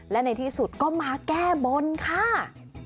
และในที่สุดก็มาแก้บนค่ะ